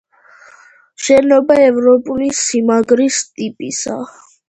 შენობა ევროპული სიმაგრის ტიპისაა.